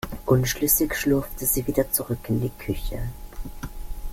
Unschlüssig schlurfte sie wieder zurück in die Küche.